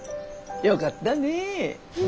よかったねえ。